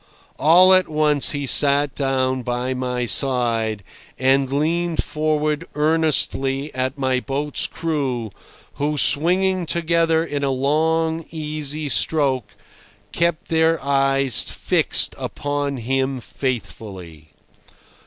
All at once he sat down by my side, and leaned forward earnestly at my boat's crew, who, swinging together in a long, easy stroke, kept their eyes fixed upon him faithfully.